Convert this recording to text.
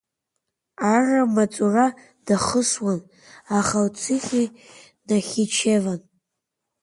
Аррамаҵура дахысуан ахалцихе, Нахичеван.